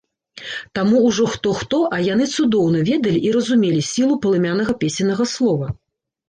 Таму ўжо хто-хто, а яны цудоўна ведалі і разумелі сілу палымянага песеннага слова.